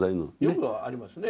よくありますね。